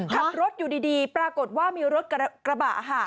ขับรถอยู่ดีปรากฏว่ามีรถกระบะค่ะ